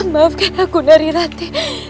maafkan aku dari ranti